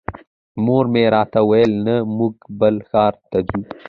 مور مې راته وویل نه موږ بل ښار ته ځو.